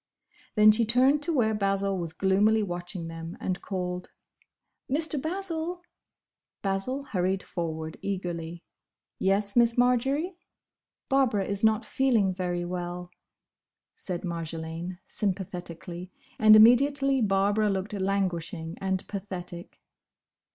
Then she turned to where Basil was gloomily watching them, and called, "Mr. Basil!" Basil hurried forward eagerly, "Yes, Miss Marjory?" "Barbara is not feeling very well," said Marjolaine, sympathetically; and immediately Barbara looked languishing and pathetic.